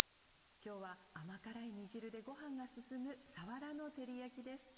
今日は甘辛い煮汁でご飯が進む「さわらの照り焼き」です。